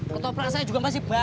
ketoprak saya juga masih banyak